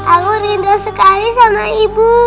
aku rindu sekali sama ibu